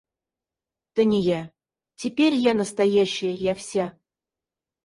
Та не я. Теперь я настоящая, я вся.